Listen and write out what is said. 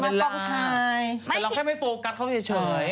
แต่เราแค่ไม่โฟกัสเขาเฉย